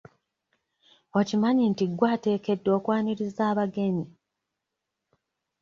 Okimanyi nti gwe ateekeddwa okwaniriza abagenyi?